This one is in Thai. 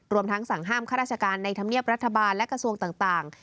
ทั้งสั่งห้ามข้าราชการในธรรมเนียบรัฐบาลและกระทรวงต่าง